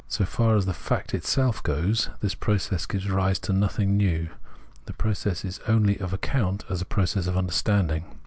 So far as the fact itself goes, this process gives rise to nothing new ; the process is only of account as a process of understanding.